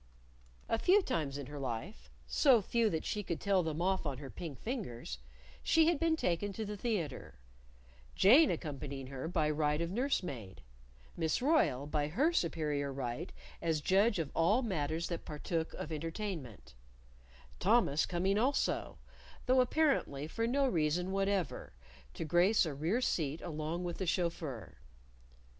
A few times in her life so few that she could tell them off on her pink fingers she had been taken to the theater, Jane accompanying her by right of nurse maid, Miss Royle by her superior right as judge of all matters that partook of entertainment; Thomas coming also, though apparently for no reason whatever, to grace a rear seat along with the chauffeur.